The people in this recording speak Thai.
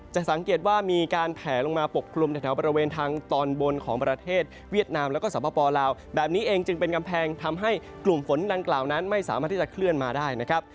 จะสังเกตว่ามีการแผลลงมาปกคลุมแถวบริเวณทางตอนบนของประเทศเวียดนามแล้วก็สปลาวแบบนี้เองจึงเป็นกำแพงทำให้กลุ่มฝนดังกล่าวนั้นไม่สามารถที่จะเคลื่อนมาได้นะครับ